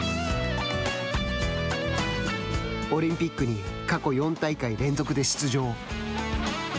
オリンピックに過去４大会連続で出場。